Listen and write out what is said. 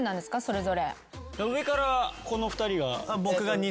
上からこの２人が。